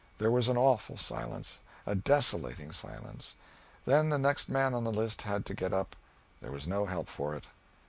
There was an awful silence, a desolating silence. Then the next man on the list had to get up there was no help for it.